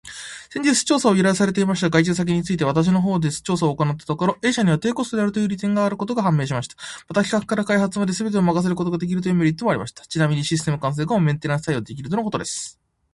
先日調査を依頼されていました外注先について、私の方で調査を行ったところ、A 社には低コストであるという利点があることが判明しました。また、企画から開発まですべてを任せることができるというメリットもありました。ちなみにシステム完成後もメンテナンス対応できるとのことです。